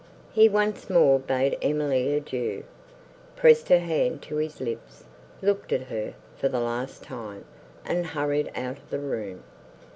He once more bade Emily adieu, pressed her hand to his lips, looked at her, for the last time, and hurried out of the room.